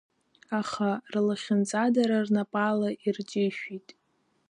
Аха рлахьынҵа дара рнапала ирҷышәит.